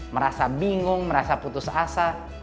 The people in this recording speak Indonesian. merasa bingung merasa putus asa